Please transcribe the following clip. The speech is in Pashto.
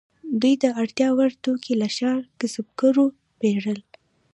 دوی د اړتیا وړ توکي له ښاري کسبګرو پیرل.